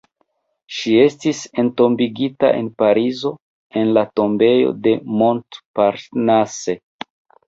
Ŝi estis entombigita en Parizo en la Tombejo de Montparnasse.